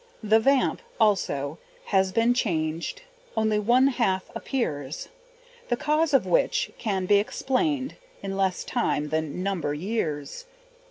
The vamp, also, has been changed, Only one half appears, The cause of which can be explained In less time than number years.